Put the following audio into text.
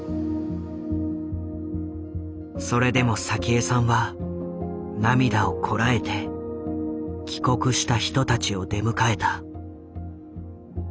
それでも早紀江さんは涙をこらえて帰国した人たちを出迎えた。